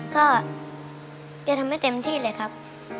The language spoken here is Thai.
ก็แกทำให้เต็มที่เลยครับ